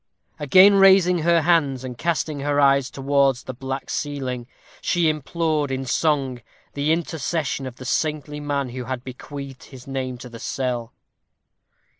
Again raising her hands, and casting her eyes towards the black ceiling, she implored, in song, the intercession of the saintly man who had bequeathed his name to the cell.